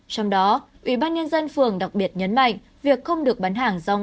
trong đó ủy ban nhân dân phường đặc biệt nhấn mạnh việc không được bán hàng rong